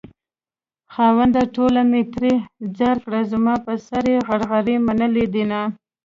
خاونده ټوله مې ترې ځار کړې زما په سر يې غرغرې منلي دينه